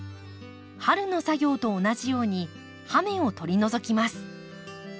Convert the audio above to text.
春の作業と同じように葉芽を取り除きます。